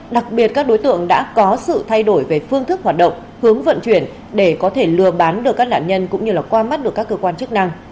đặc biệt các đối tượng đã có sự thay đổi về phương thức hoạt động hướng vận chuyển để có thể lừa bán được các nạn nhân cũng như qua mắt được các cơ quan chức năng